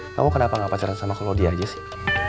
kamu kenapa gak pacaran sama kolodi aja sih